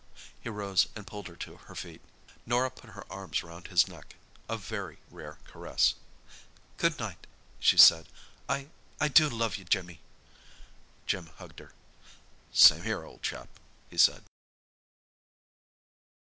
He rose and pulled her to her feet. Norah put her arms round his neck—a very rare caress. "Good night," she said. "I—I do love you, Jimmy!" Jim hugged her. "Same here, old chap," he said.